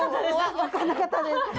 分かんなかったです。